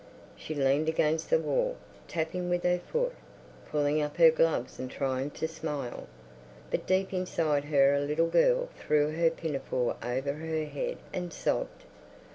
She leaned against the wall, tapping with her foot, pulling up her gloves and trying to smile. But deep inside her a little girl threw her pinafore over her head and sobbed.